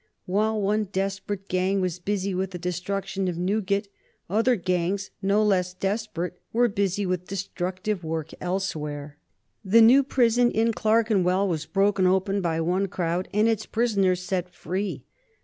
While one desperate gang was busy with the destruction of Newgate, other gangs, no less desperate, were busy with destructive work elsewhere. The new prison in Clerkenwell was broken open by one crowd, and its prisoners set free.